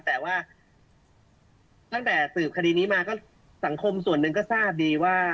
แต่ว่าตั้งแต่สืบคดีนี้มาก็สังคมส่วนหนึ่งก็ทราบดีว่า